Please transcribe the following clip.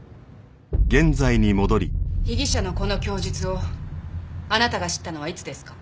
被疑者のこの供述をあなたが知ったのはいつですか？